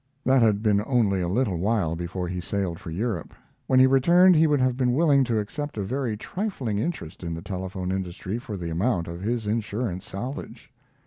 That had been only a little while before he sailed for Europe. When he returned he would have been willing to accept a very trifling interest in the telephone industry for the amount of his insurance salvage.